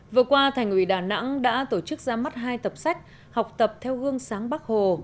vừa qua thành ủy đà nẵng đã tổ chức ra mắt hai tập sách học tập theo gương sáng bắc hồ